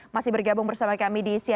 masih bergabung bersama kami di sma